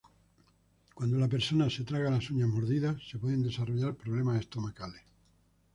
Cuando la persona se traga las uñas mordidas, se pueden desarrollar problemas estomacales.